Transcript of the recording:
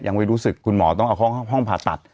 ยังไม่รู้สึกคุณหมอต้องเอาเข้าห้องผ่าตัด